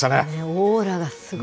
オーラがすごい。